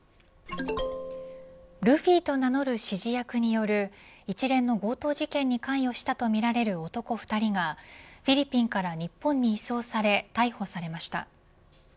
ルフィと名乗る指示役による一連の強盗事件に関与したとみられる男２人がフィリピンから日本に移送され逮捕されました。